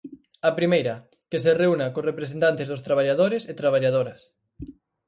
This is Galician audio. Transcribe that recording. A primeira, que se reúna cos representantes dos traballadores e traballadoras.